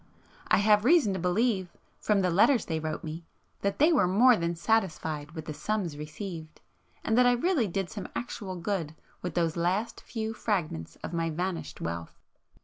I have reason to believe, from the letters they wrote me, that they were more than satisfied with the sums received, and that I really did some actual good with those few last fragments of my vanished wealth.